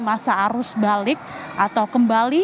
masa arus balik atau kembali